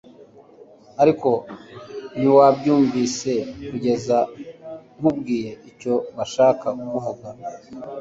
ariko ntiwabyumvise kugeza nkubwiye icyo bashaka kuvuga